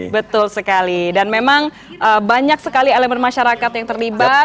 betul sekali dan memang banyak sekali elemen masyarakat yang terlibat